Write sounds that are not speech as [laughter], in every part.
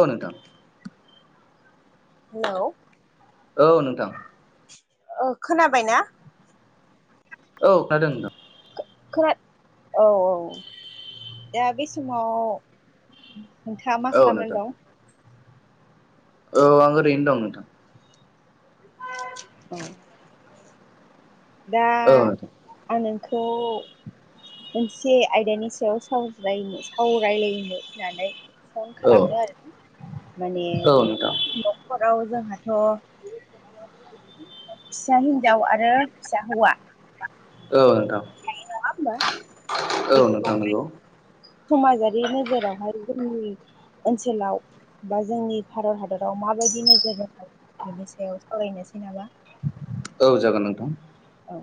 औ नोंथां। हेलौ? औ नोंथां। औ खोनाबाय ना? औ खोनादों नोंथां। [unintelligible] औ औ दा बे समाव नोंथाङा मा औ नोंथां खालामनानै दं? औ आं ओरैनो दं नोंथां। औ। दा औ नोंथां आं नोंखौ मोनसे आयदानि सायाव सावरायनो सावरायलायनो होननानै फन औ खालामदों आरो माने नोंथां जेनेबा न'खराव जोंहाथ' फिसा हिनजाव आरो फिसा हौवा औ नोंथां। नङा होमबा? औ नोंथां नंगौ समाजारि नोजोरावहाय जोंनि ओनसोलाव बा जोंनि भारत हादराव माबायदि नोजोर होनो बिनि सायाव सावरायनोसै नामा? औ जागोन नोंथां। औ।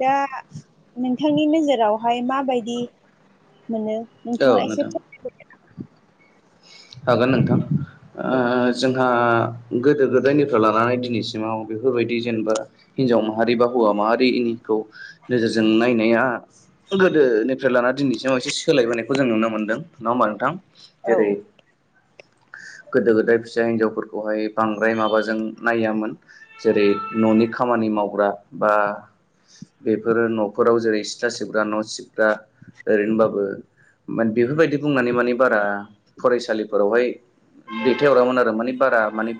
दा नोंथांनि नोजोरावहाय माबायदि मोनो औ नोंथाङा एसे नोंथां फोरमायदो हागोन नोंथां ओ। जोंहा गोदो-गोदायनिफ्राय लानानै दिनैसिमाव बेफोरबायदि जेनेबा हिन्जाव माहारि बा हौवा माहारि- खौ नोजोरजों नायनाया गोदोनिफ्राय लानानै दिनैसिमाव एसे सोलायबोनायखौ जों नुनो मोनदों। नङा होमबा नोंथां? औ जेरै गोदो-गोदाय फिसा हिनजावफोरखौहाय बांद्राय माबाजों नायामोन। जेरै न'नि खामानि मावग्रा बा बेफोरो न'फोराव जेरै सिथ्ला सिबग्रा न' सिब- दा ओरैनोबाबो बेफोरबायदि बुंनानै माने बारा फरायसालिफोरावहाय दैथायहरामोन आरो माने बारा माने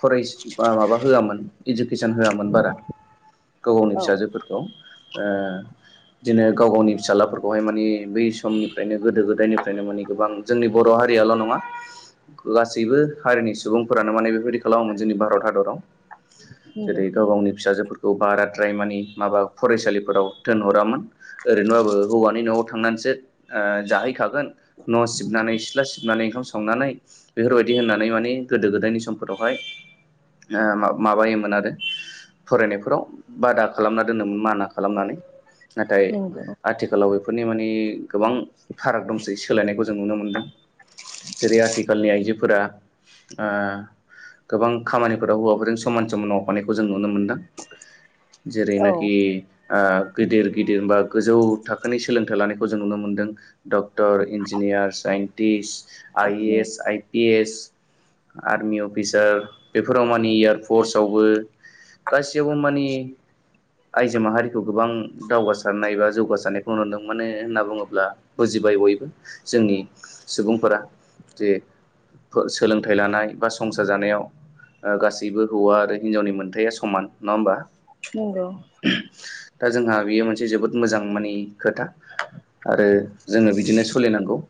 फरायस बा माबा होआमोन इडुकेसन होआमोन बारा। गाव गावनि औ फिसाजोफोरखौ ओ बिदिनो गाव गावनि फिसालाफोरखौहाय माने बै समनिफ्रायनो गोदो गोदायनिफ्रायनो माने गोबां जोंनि बर' हारियाल' नङा। गासैबो हारिनि सुबुंफोरानो माने बेफोरबायदि खालामोमोन जोंनि भारत हादराव। नंगौ जेरै गाव-गावनि फिसाजोफोरखौ बाराद्राय माने माबा फरायसालिफोराव दोनहरामोन। ओरैनोबाबो हौवानि न'आव थांनानैसो ओ जाहैखागोन। न' सिबनानै- सिथ्ला सिबनानै ओंखाम संनानै बेफोरबायदि होननानै माने गोदो-गोदायनि समफोरावहाय ओ माबा-माबायोमोन आरो फरायनायफोराव बादा खालामना दोनोमोन माना खालामनानै। नाथाय नंगौ आथि- खालाव बेफोरनि माने गोबां फाराग दंसै सोलायनायखौ जों नुनो मोनदों। जेरै आथिखालनि आइजोफोरा ओ गोबां खामानिफोराव हौवाफोरजों समान समान मावफानायखौ जों नुनो मोनदों। औ जेरैनाखि ओ गिदिर गिदिर बा गोजौ थाखोनि सोलोंथाइ लानायखौ जों नुनो मोनदों। Doctor, engineer, scientist, I A नंगौ S, I P S army officer बेफोराव माने एयार फर्सवबो गासिआवबो माने आइजो माहारिखौ गोबां दावगासारनाय एबा जौगासारनायखौ नुुदों माननो होनना बुङोब्ला बुजिबाय बयबो जोंनि सुबुंफोरा जे सोलोंथाइ लानाय बा संसार जानायाव ओ गासैबो हौवा आरो हिन्जावनि मोनथाया समान। नङा होमबा? नंगौ दा जोंहा बेयो मोनसे जोबोद मोजां माने खोथा आरो जोङो बिदिनो सोलिनांगौ।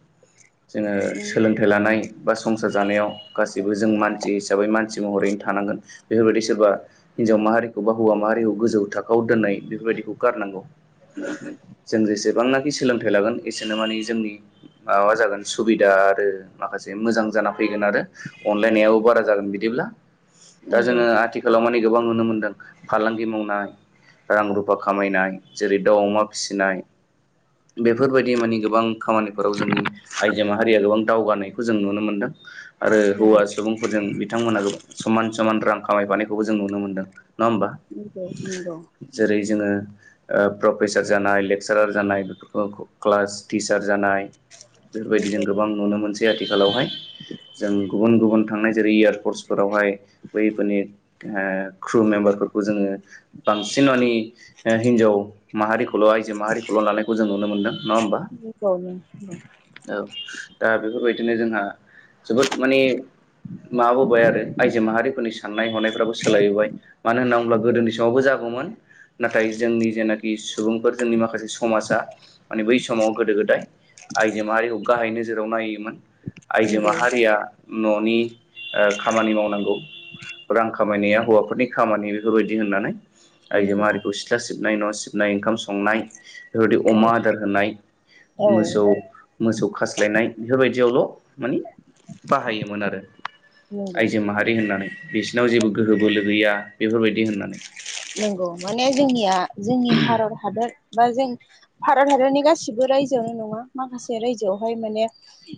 जोङो सोलोंथाइ लानाय बा संसार जानायाव गासैबो जों मानसि हिसाबै मानसि महरैनो थानांगोन बेफोरबायदि सोरबा हिनजाव माहारिखौ बा हौवा माहारिखौ गोजौ थाखोआव दोननाय बेफोरबायदिखौ गारनांगौ। जों जेसेबांनाखि सोलोंथाइ लागोन एसेनो माने जोंनि माबा जागोन सुबिदा आरो माखासे मोजां जाना फैगोन आरो अनलायनायाबो बारा जागोन बिदिब्ला। दा नंगौ नंगौ जोङो आथिखालाव माने गोबां नुनो मोनदों फालांगि मावनाय रां-रुफा खामायनाय जेरै दाउ-अमा फिसिनाय बेफोरबायदि माने गोबां खामानिफोराव जोंनि आइजो माहारिया गोबां दावगानायखौ जों नुनो मोनदों आरो हौवा नंगौ सुबुंफोरजों बिथांमोनहा गोबां समान समान रां खामायफानायखौबो जों नुनो मोनदों। होमबा नंगौ नंगौ जेरै जोङो ओ प्रफेसार जानाय लेक्सारार जानाय बेफोरखौ क्लास टिचार जानाय। बेफोरबायदि जों नंगौ गोबां नुनो मोनसै आथिखालावहाय। जों गुबुन गुबुन थांनाय जेरै एयारपर्सफोरावहाय बैफोरनि ओ क्रु मेम्बारफोरखौ जोङो बांसिन मानि ओ हिनजाव माहारिखौल' आइजो माहारिखौल' लानायखौ जों नुनो मोनदों नङा होमबा। औ औ दा बेफोरबायदिनो जोंहा जोबोद माने माबाबोबाय आरो आइजो माहारिफोरनि साननाय हनायफ्राबो सोलायबोबाय मानो होनना बुंब्ला गोदोनि समावबो जागौमोन नाथाय जोंनि जेनाखि सुबुंफोर जोंनि माखासे समाजा माने बै समाव गोदो गोदाय आइजो माहारिखौ गाहाय नोजोराव नायोमोन आइजो नंगौ नंगौ माहारिया न'नि ओ खामानि मावनांगौ रां खामायनाया हौवाफोरनि खामानि बेफोरबायदि होननानै आइजो माह नंगौ आरारिखौ सिथ्ला सिबनाय न' सिबनाय ओंखाम संनाय बेफोरबायदि औ अमा आदार होनाय औ मोसौ मोसौ खास्लायनाय बेफोरबायदियावल' माने बाहायोमोन आरो नंगौ आइजो माहारि होननानै बिसिोरनाव जेबो गोहो बोलोहैया बेफोरबायदि होननानै। नंगौ माने जोंनिया जोंनि भारत हादर बा जों भारत हादरनि गासिबो रायजोआवनो नङा माखासे रायजोआवहाय माने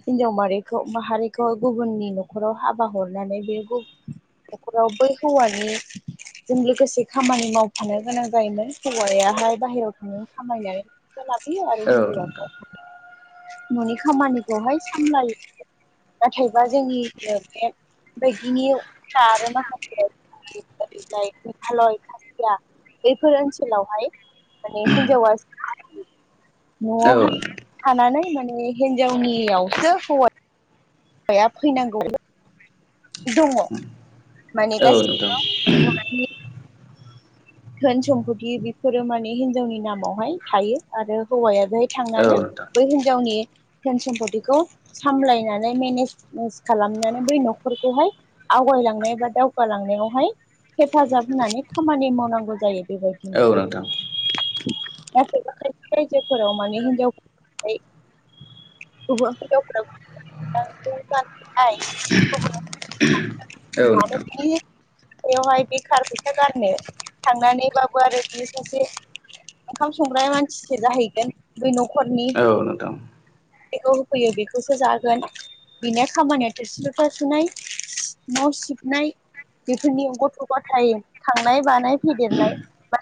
हिनजाव मखौ माहारिखौ गुबुननि न'खराव हाबा हरनानै बे न'खराव बै हौवानि जों लोगोसे खामानि मावफानो गोनां जायोमोन हौवायाहाय बाहेरायाव थांनो खामायनाय लायो औ नोंथां आरो [unintelligible] न'नि खामानिखौहाय सामलायो नाथायबा जोंनि बे बायदिनि [unintelligible] माखासे [unintelligible] मेघालय या बैफोर ओनसोलावहाय माने हिनजावा [inaudible] न'आवहाय थानानै माने हिनजावनियावसो हौवा या फैनांगौ दङ माने औ नोंथां गासिबो [unintelligible] धोन सम्फथि बेफोरो माने हिनजावनि नामावहाय थायो आरो हौवाय औ थांनानै नोंथां बै हिनजावनि धोन सम्पतिखौ सामलायनानै मेनेजे ज खालामनानै बै न'खरखौहाय आवगायलांनाय बा दावगालांनायावहाय हेफाजाब होनानै खामानि मावनांगौ जायो बेबायदिनो औ नोंथां नाथाय बा खायसे रायजोफोराव माने हिनजावफोरखौहाय औ नोंथां [unintelligible] [unintelligible] बेवहाय बेखार फैसा गारनो थांनानैबाबो आरो बियो सासे ओंखाम संग्रा मानसिसो जाहैगोन बै न'खरनि औ नोंथां औ नोंथां जेखौ होफैयो बेखौसो जागोन बिनि खामानिया थोरसि लथा सुनाय न' सिबनाय बेफोरनि गथ' गथाय थांनाय बानाय फेदेरनाय बा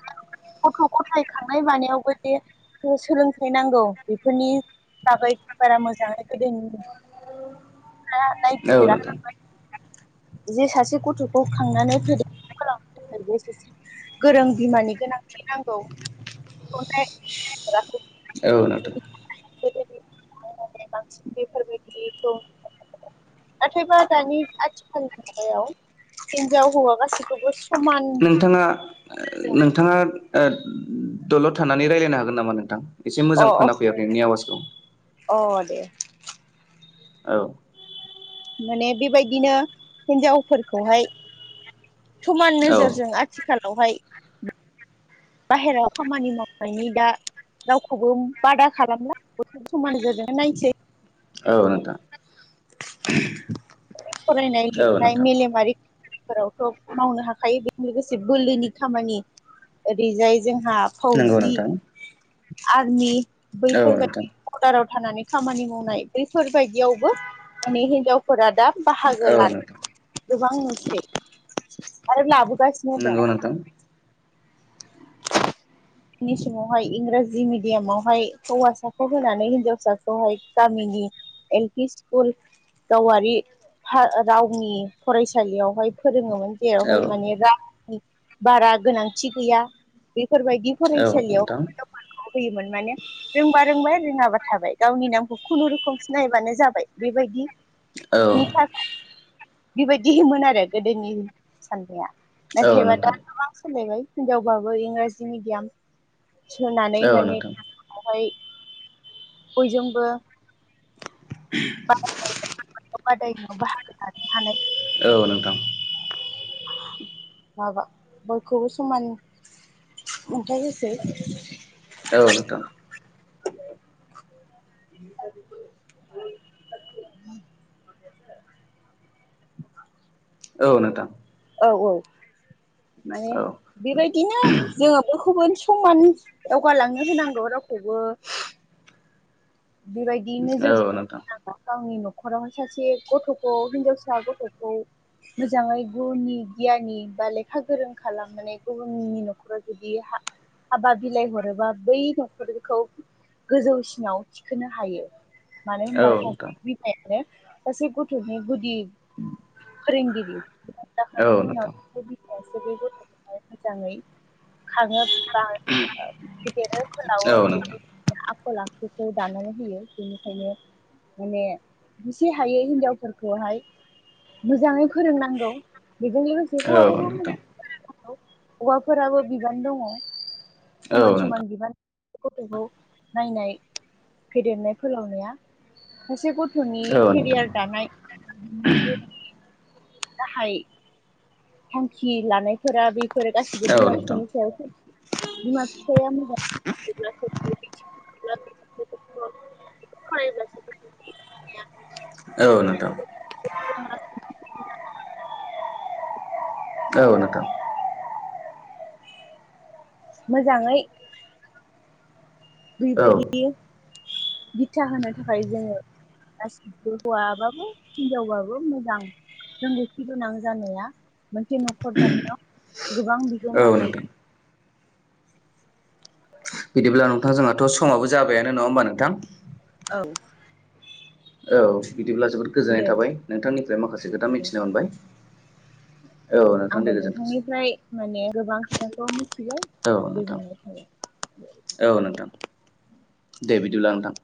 गथ' गथाय खांनाय बानायावबो जे सोलोंथाइ नांगौ बेफोरनि बागै बारा मोजाङै गोदोनि फ्रा औ नोंथां नायबिजिराखैमोन। जे सासे गथ'खौ खांनानै फेदेरनो फोलावनो थाखाय [unintelligible] गोरों बिमानि गोनांथि नांगौ [unintelligible] औ नोंथां गोदो समावहाय बांसिन बेफोरबायदिखौ नाथायबा दानि आथिखालनि मुगायाव हिन्जाव हौवा गासिखौबो समान नोंथाङा जों नोंथाङा दलद थानानै रायलायनो हागोन नामा नोंथां एसे अ मोजां अ खोनाफैयाखै नोंनि आवाजखौ अ दे औ माने बेबायदिनो हिनजावफोरखौहाय समान औ नोजोरजों आथिखालावहाय बाहेरायाव खामानि मावनायनि दा रावखौबो बादा खालामला बयखौबो समान नोजोरजोंनो नायसै औ नोंथां फरायनाय औ लिरनाय नोंथां मेलेमारि फोरावथ' मावनो हाखायो बेजों लोगोसे बोलोनि खामानि ओरैजाय जोंहा नोंगौ नोंथां आरमि औ नोंथां बैफोरबायदि बरडाराव थानानै खामानि मावनाय बैफोरबायदियावबो माने हिजाव फोरा दा औ बाहागो नोंथां लानो गोबां नुसै आरो लाबोगासिनो दं नंगौ नोंथां नि समावहाय इंराजि मिडियामावहाय हौवासाखौ होनानै हिनजावसाखौहाय गामिनि एल पि स्कुल गावारि रावनि फरायसालियावहाय फोरोंङोमोन औ जेरावहाय माने रांनि बारा गोनांथि गैया बेफोरबायदि औ फरायसालियाव नोंथां हिनजाव होयोमोन माने रोंबा रोंबाय रोङाबा थाबाय गावनि नामखौ खुनुरुखुम सिनायबानो जाबाय बेबायदि औ नि थाखाय बेबायदिमोन आरो गोदोनि साननाया औ नाथायबा नोंथां दा गोबां सोलायबाय हिनजावबाबो इंराजि मिडियाम सोनानै औ माने नोंथां बेवहाय बयजोंबो बादायनायाव बाहागो लानो हानाय औ नोंथां माबा बयखौबो समान अन्थाय होसै औ नोंथां [inaudible] औ नोंथां औ औ माने औ बेबायदिनो जोङो बयखौबो समान दावगालांनो होनांगौ रावखौबो बेबायदि औ नोंथां नोजोरजों गावनि न'खरावहाय सासे गथ'खौ हिनजावसा गथ'खौ मोजाङै गुनि गियानि बा लेखा गोरों खालामनानै गुबुननि न'खराव जुदि हाबा बिलाइ हरोबा बै न'खरखौ गोजौसिनाव थिखोनो हायो मानो औ होनबा नोंथां सासे बिमायानो सासे गथ'नि गुदि फोरोंगिरि औ नोंथां औ नोंथां [inaudible] बिखायासो बे गथ'खौहाय मोजाङै खाङोब्ला फेदेरो फोलावो औ नोंथां आखल आखु खौ दानानै होयो बेनिखायनो माने एसे हायो हिनजावफोरखौहाय मोजाङै फोरोंनांगौ बेजों लोगोसे ए हौवाखौबो औ मोजां नोंथां हौवाफोराबो बिबान दङ' औ समान नोंथां समान बिबान गथ'खौ नायनाय फेदेरनाय फोलावनाया सासे गथ'नि औ नोंथां केरियार दानाय गाहाय थांखि लानायफोरा बेफोर गासिबो औ बिमा-बिफानि सायाव बिमा बिफाया [unintelligible] [unintelligible] औ नोंथां [unintelligible] औ नोंथां मोजाङै औ बेबायदि बिथा होनो थाखाय जोङो गासिबो हौवाबाबो हिनजावबाबो मोजां रोंगौथि गोनां जानाया मोनसे न'खर दानायाव गोबां बिहोमा औ होयो नोंथां बिदिब्ला नोंथां जोंहाथ' समाबो जाबायानो नङा होमबा नोंथां? औ औ बिदिब्ला जोबोद गोजोननाय दे दे थाबाय नोंथांनिफ्राय माखासे खोथा मिथिनो मोनबाय औ नोंथां दे आंबो गोजोनथोंसै नोंथांनिफ्राय माने गोबां खोथाखौ मिथिबाय औ आरो नोंथां गोजोननाय थाबाय औ नोंथां दे बिदिब्ला नोंथां